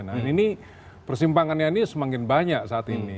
nah ini persimpangannya ini semakin banyak saat ini